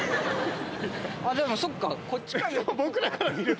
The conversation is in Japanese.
でもそっかこっちから見ると。